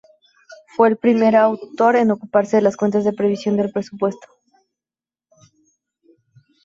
Fue el primer autor en ocuparse de las cuentas de previsión del presupuesto.